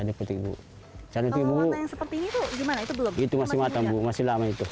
seperti itu masih lama itu